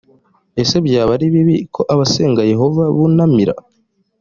ese byaba ari bibi ko abasenga yehova bunamira